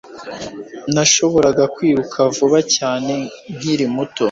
Nashoboraga kwiruka vuba cyane nkiri muto